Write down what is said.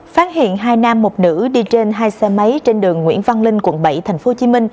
phát hiện hai nam một nữ đi trên hai xe máy trên đường nguyễn văn linh quận bảy tp hcm